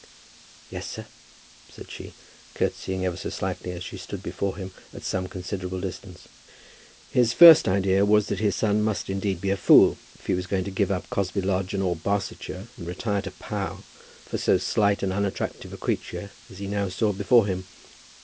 "Yes, sir," said she, curtseying ever so slightly, as she stood before him at some considerable distance. His first idea was that his son must be indeed a fool if he was going to give up Cosby Lodge and all Barsetshire, and retire to Pau, for so slight and unattractive a creature as he now saw before him.